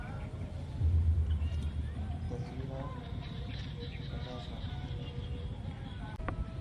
تصويران ڪڌا سان.